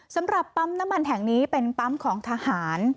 สำหรับปั๊มน้ำมันแห่งนี้เป็นปั๊มของทหาร